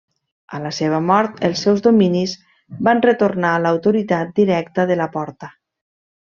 A la seva mort els seus dominis van retornar a l'autoritat directa de la Porta.